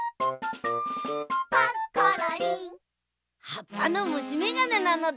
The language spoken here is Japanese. はっぱのむしめがねなのだ。